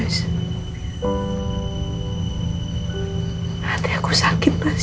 karena hati aku hancur mas